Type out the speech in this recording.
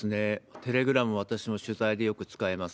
テレグラム、私も取材でよく使います。